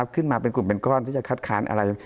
ขึ้นมาเป็นกลุ่มเป็นก้อนที่จะคัดค้านอะไร